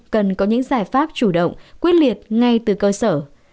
cần có những giải pháp chủ động quyết liệt ngay từ cơ sở